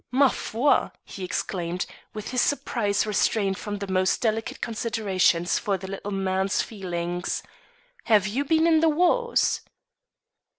"Ma foi!" he exclaimed, with his surprise restrained from the most delicate considerations for the little man's feelings; "have you been in the wars?"